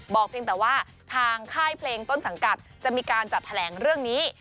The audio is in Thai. เพียงแต่ว่าทางค่ายเพลงต้นสังกัดจะมีการจัดแถลงเรื่องนี้